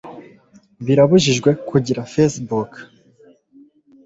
birabujijwe kugira facebook